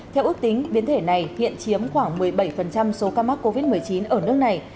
theo ước tính biến thể này hiện chiếm khoảng một mươi bảy số ca mắc covid một mươi chín ở nước này